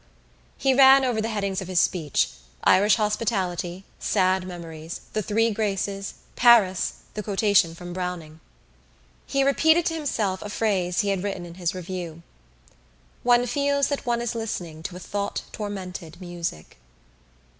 He ran over the headings of his speech: Irish hospitality, sad memories, the Three Graces, Paris, the quotation from Browning. He repeated to himself a phrase he had written in his review: "One feels that one is listening to a thought tormented music."